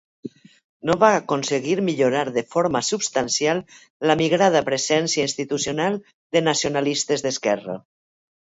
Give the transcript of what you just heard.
No va aconseguir millorar de forma substancial la migrada presència institucional de Nacionalistes d'Esquerra.